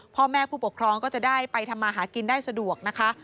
พ่อแม่ผู้ปกครองก็จะได้ไปทำมาหากินได้สะดวกนะคะ